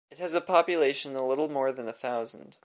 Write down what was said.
It has a population a little more than a thousand.